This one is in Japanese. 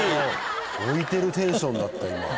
置いてるテンションだった今。